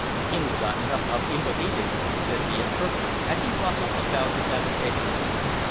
"Hims got 'nuff of impoodidence," said the interpreter, as he bustled about his avocations.